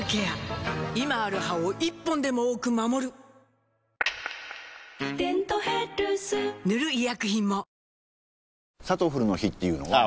今ある歯を１本でも多く守る「デントヘルス」塗る医薬品も